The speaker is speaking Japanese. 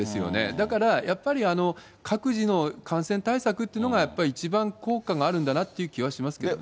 だからやっぱり、各自の感染対策っていうのが、やっぱ一番効果があるんだなっていう感じはしますけどね。